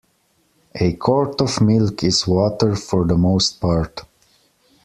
A quart of milk is water for the most part.